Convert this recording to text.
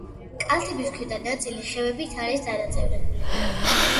კალთების ქვედა ნაწილი ხევებით არის დანაწევრებული.